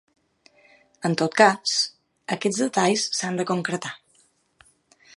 En tot cas, aquests detalls s’han de concretar.